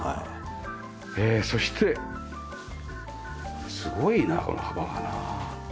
そしてすごいなこの幅がな。